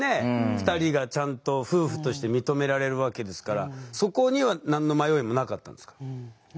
２人がちゃんと夫婦として認められるわけですからそこには何の迷いもなかったんですか？